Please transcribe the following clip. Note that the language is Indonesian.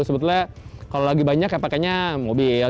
sebetulnya kalau lagi banyak ya pakainya mobil